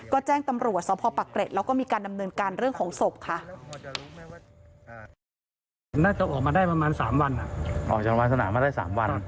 ก็แจ้งตำรวจสพปักเกร็ดแล้วก็มีการดำเนินการเรื่องของศพค่ะ